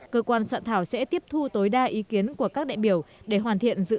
cơ quan soạn thảo sẽ tiếp thu tối đa ý kiến của các đại biểu để hoàn thiện dự thảo